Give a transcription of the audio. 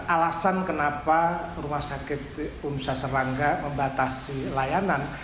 alasan kenapa rumah sakit universitas air langga membatasi layanan